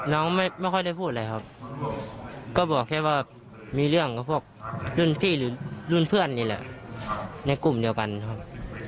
น้องไม่ค่อยได้พูดอะไรครับก็บอกแค่ว่ามีเรื่องกับพวกรุ่นพี่หรือรุ่นเพื่อนนี่แหละในกลุ่มเดียวกันครับ